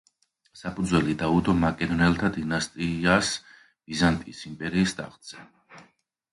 საფუძველი დაუდო მაკედონელთა დინასტიას ბიზანტიის იმპერიის ტახტზე.